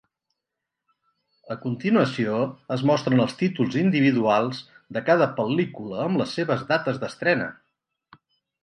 A continuació es mostren els títols individuals de cada pel·lícula amb les seves dates d'estrena.